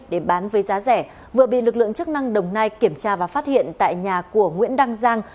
để bán với giá rẻ vừa bị lực lượng chức năng đồng nai kiểm tra và phát hiện tại nhà của nguyễn đăng giang